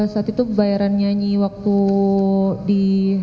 saat itu bayaran nyanyi waktu di